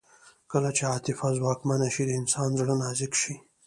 کله چې عاطفه ځواکمنه شي د انسان زړه نازک شي